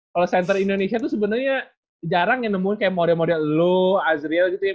kalo center indonesia tuh sebenernya jarang yang nemuin kayak mode mode low azreal gitu ya